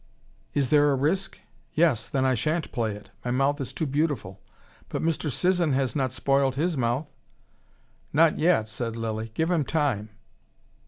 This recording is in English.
"Is there a risk? Yes! Then I shan't play it. My mouth is too beautiful. But Mr. Sisson has not spoilt his mouth." "Not yet," said Lilly. "Give him time."